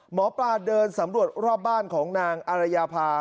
หมอปลาเดินสำรวจรอบบ้านของนางอารยาภา